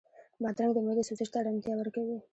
بادرنګ د معدې سوزش ته ارامتیا ورکوي.